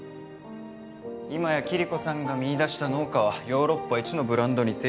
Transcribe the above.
今やキリコさんが見いだした農家はヨーロッパ１のブランドに成長したんだって。